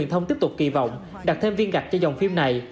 hy vọng đặt thêm viên gạch cho dòng phim này